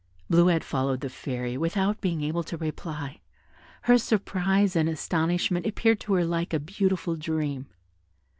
Bleuette followed the Fairy without being able to reply; her surprise and astonishment appeared to her like a beautiful dream.